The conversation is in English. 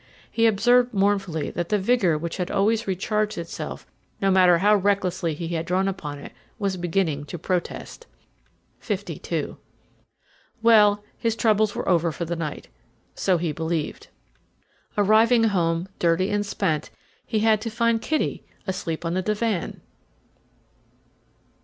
He observed mournfully that the vigour which had always recharged itself, no matter how recklessly he had drawn upon it, was beginning to protest. Fifty two. Well, his troubles were over for the night. So he believed. Arriving home, dirty and spent, he had to find Kitty asleep on the divan!